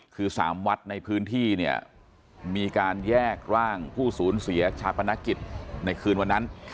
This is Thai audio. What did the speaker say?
คือ๓วัดในพื้นที่เนี่ยมีการแยกร่างผู้สูญเสียชาปนกิจในคืนวันนั้น